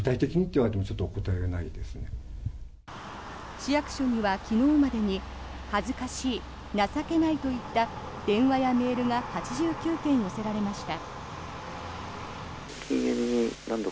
市役所には昨日までに恥ずかしい、情けないといった電話やメールが８９件寄せられました。